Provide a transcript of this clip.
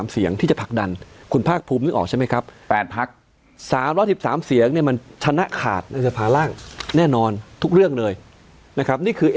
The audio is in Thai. เสียงที่จะผลักดันคุณภาคภูมินึกออกใช่ไหมครับ๘พัก๓๑๓เสียงเนี่ยมันชนะขาดในสภาร่างแน่นอนทุกเรื่องเลยนะครับนี่คือ